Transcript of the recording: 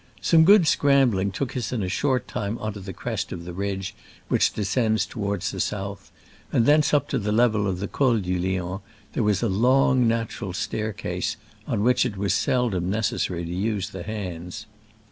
Some good scrambling took us in a short time on to the crest of the ridge which descends toward the south ; and thence up to the level of the Col du Lion there was a long natural staircase, on which it was seldom necessary to use the hands.